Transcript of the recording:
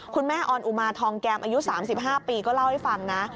ออนอุมาทองแกมอายุ๓๕ปีก็เล่าให้ฟังนะ